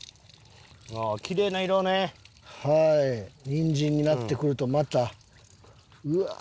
にんじんになってくるとまたうわあ！